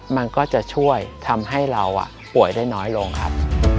มันก็จะช่วยทำให้เราป่วยได้น้อยลงครับ